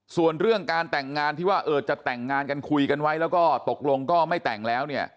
ส่วนเรื่องการแต่งงานที่ว่าจะแต่งงานกันคุยกันไว้แล้วก็ตกลงก็ไม่แต่งแล้วเนี่ย